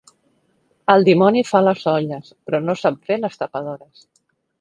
El dimoni fa les olles, però no sap fer les tapadores.